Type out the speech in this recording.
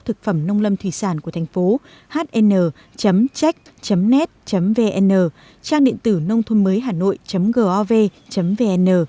thực phẩm nông lâm thủy sản của thành phố hn check net vn trang điện tử nông thuân mới hà nội gov vn